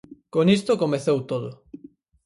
Con isto comezou todo.